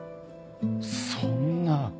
そんな。